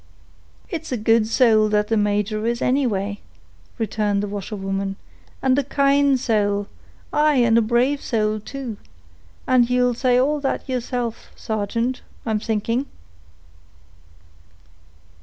"It's a good sowl that the major is, anyway," returned the washerwoman; "and a kind sowl—aye, and a brave sowl too; and ye'll say all that yeerself, sargeant, I'm thinking."